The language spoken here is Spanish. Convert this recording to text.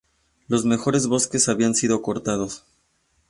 Los mejores bosques habían sido cortados.